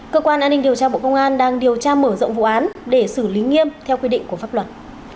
cơ quan an ninh điều tra bộ công an đang điều tra mở rộng vụ án để xử lý nghiêm theo quy định của pháp luật